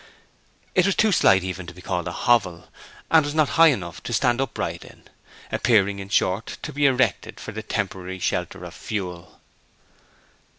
It was too slight even to be called a hovel, and was not high enough to stand upright in; appearing, in short, to be erected for the temporary shelter of fuel.